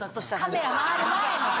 カメラ回る前の。